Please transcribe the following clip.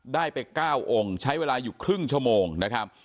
ได้ไป๙องค์ใช้เวลาอยู่ครึ่งชั่วโมงนะครับ